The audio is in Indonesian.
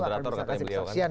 beri kasih kesaksian